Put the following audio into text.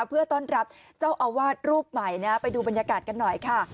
เพื่อต้อนรับเจ้าอาวาสรูปใหม่นะไปดูบรรยากาศกันหน่อยค่ะ